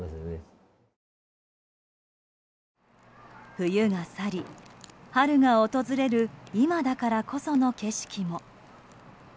冬が去り、春が訪れる今だからこその景色も。